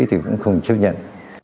thì cũng không chấp nhận